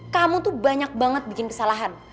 kamu tuh banyak banget bikin kesalahan